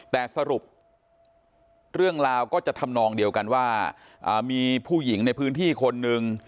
แต่สรุปเรื่องราวก็จะทำนองเดียวกันว่ามีผู้หญิงในพื้นที่คนหนึ่ง